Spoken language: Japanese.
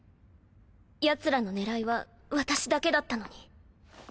ヤツらの狙いは私だけだったのに。